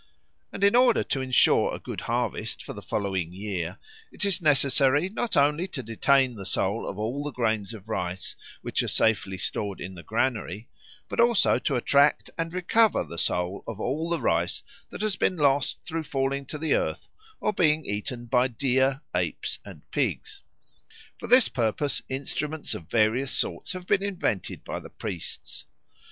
And in order to ensure a good harvest for the following year it is necessary not only to detain the soul of all the grains of rice which are safely stored in the granary, but also to attract and recover the soul of all the rice that has been lost through falling to the earth or being eaten by deer, apes, and pigs. For this purpose instruments of various sorts have been invented by the priests.